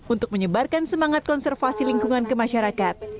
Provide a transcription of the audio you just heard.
untuk menyebarkan semangat konservasi lingkungan kemasyarakat